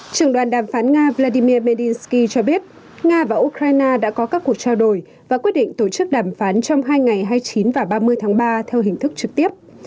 trường đoàn đàm phán nga vladimir puynsky cho biết nga và ukraine đã có các cuộc trao đổi và quyết định tổ chức đàm phán trong hai ngày hai mươi chín và ba mươi tháng ba theo hình thức trực tiếp